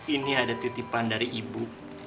ini ada titipan dari ibu